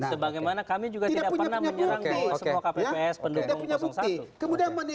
sebagaimana kami juga tidak pernah menyerang semua kpps pendukung satu